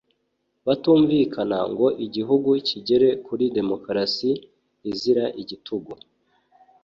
batumvikana, ngo igihugu kigere kuri demokarasi izira igitugu,